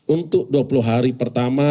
untuk dua puluh hari pertama